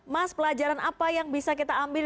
mas pelajaran apa yang bisa kita ambil